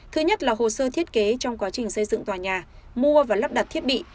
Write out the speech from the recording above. thứ nhất là hồ sơ thiết kế trong quá trình xây dựng tòa nhà mua và lắp đặt thiết bị